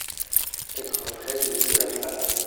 quatre-vingt-treize rue de la Pradat